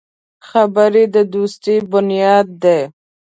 خبرې د دوستي بنیاد دی